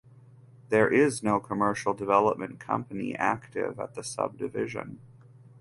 There is no commercial development company active at the subdivision.